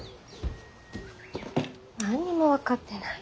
何にも分かってない。